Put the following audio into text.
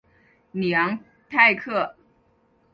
里昂泰克。